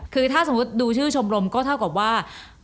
คือถ้าสมมุติดูชื่อชมรมก็เท่ากับว่า